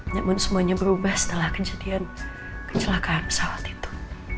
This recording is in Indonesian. namun semuanya berubah setelah kejadian kecelakaan pesawat itu